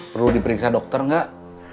perlu diperiksa dokter nggak